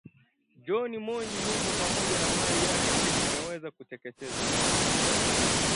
John Monji nyumba pamoja na mali yake pia vimeweza kuteketezwa